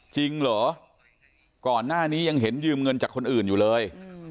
จริงเหรอก่อนหน้านี้ยังเห็นยืมเงินจากคนอื่นอยู่เลย